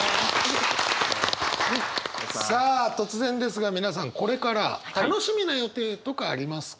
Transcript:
さあ突然ですが皆さんこれから楽しみな予定とかありますか？